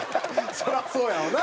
そりゃそうやわな。